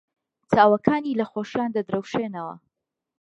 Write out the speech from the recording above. چاوەکانی لە خۆشییان دەدرەوشێنەوە.